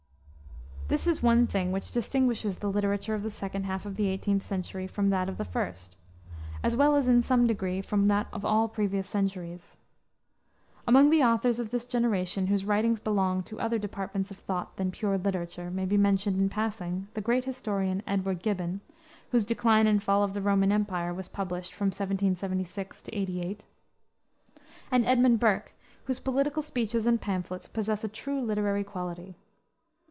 This is one thing which distinguishes the literature of the second half of the 18th century from that of the first, as well as in some degree from that of all previous centuries. Among the authors of this generation whose writings belonged to other departments of thought than pure literature may be mentioned, in passing, the great historian, Edward Gibbon, whose Decline and Fall of the Roman Empire was published from 1776 88, and Edmund Burke, whose political speeches and pamphlets possess a true literary quality.